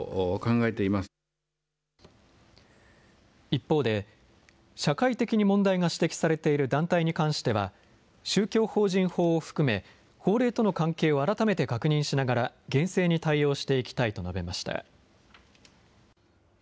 一方で、社会的に問題が指摘されている団体に関しては、宗教法人法を含め、法令との関係を改めて確認しながら厳正に対応していきたいと述べました。